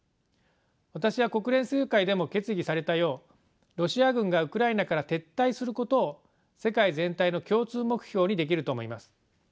私は国連総会でも決議されたようロシア軍がウクライナから撤退することを世界全体の共通目標にできると思います。